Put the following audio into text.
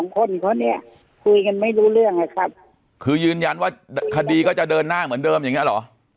คุยกันไม่รู้เรื่องนะครับคือยืนยันว่าคดีก็จะเดินหน้าเหมือนเดิมอย่างนี้หรอ